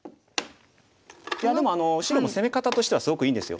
いやでも白も攻め方としてはすごくいいんですよ。